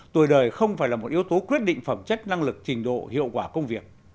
tuổi đời không phải là một yếu tố quyết định phẩm chất năng lực trình độ hiệu quả công việc